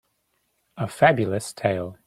A Fabulous tale